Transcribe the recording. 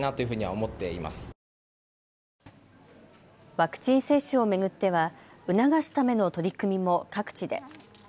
ワクチン接種を巡っては促すための取り組みも各地で。